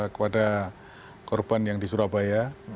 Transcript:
kepada korban yang di surabaya